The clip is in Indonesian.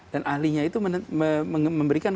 dan ahlinya itu memberikan